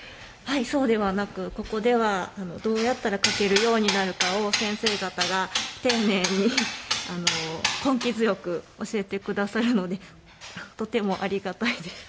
そうではなく、ここではどうやったら描けるようになるかを先生方が、丁寧に根気強く教えてくださるのでとてもありがたいです。